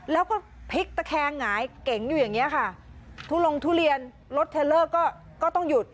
แล้วก็พลิกตะแคงหงายเก๋งอยู่อย่างเงี้ยค่ะทุลงทุเรียนรถเทลเลอร์ก็ก็ต้องหยุด